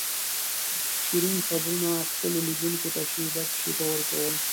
شیرین خبرونه خپلو لیدونکو ته شېبه په شېبه ور کول.